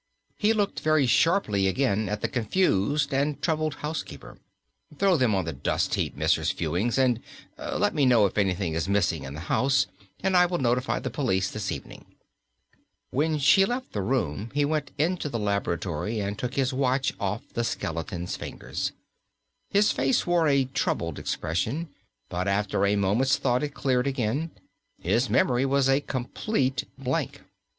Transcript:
He looked very sharply again at the confused and troubled housekeeper. "Throw them on the dust heap, Mrs. Fewings, and and let me know if anything is missing in the house, and I will notify the police this evening." When she left the room he went into the laboratory and took his watch off the skeleton's fingers. His face wore a troubled expression, but after a moment's thought it cleared again. His memory was a complete blank.